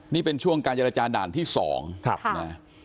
นี่เป็นช่วงการเจรจาด่านที่สองครับครับ